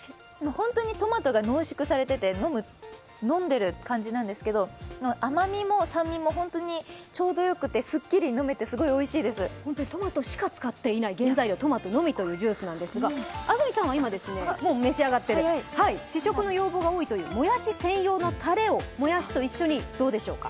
本当にトマトが濃縮されてて、飲んでる感じなんですけど甘みも酸味もちょうどよくてすっきり飲めてトマトしか使っていない原材料トマトのみというジュースなんですが、安住さんはもう召し上がっている試食の要望が多いというもやし専用のたれをもやしと一緒にどうでしょうか。